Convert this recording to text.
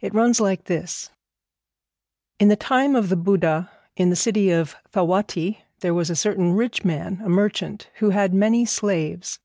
It runs like this: In the time of the Buddha, in the city of Thawatti, there was a certain rich man, a merchant, who had many slaves.